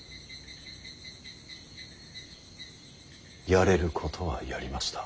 やれることはやりました。